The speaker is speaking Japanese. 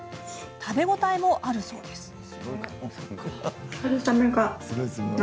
食べ応えもあるそうです。